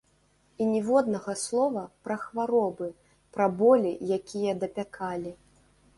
І ніводнага слова пра хваробы, пра болі, якія дапякалі.